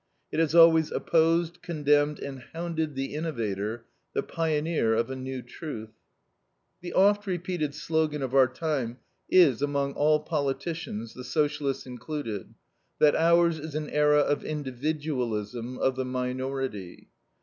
It has always opposed, condemned, and hounded the innovator, the pioneer of a new truth. The oft repeated slogan of our time is, among all politicians, the Socialists included, that ours is an era of individualism, of the minority.